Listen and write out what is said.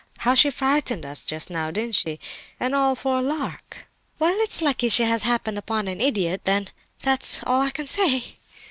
How she frightened us just now—didn't she?—and all for a lark!" "Well, it's lucky she has happened upon an idiot, then, that's all I can say!"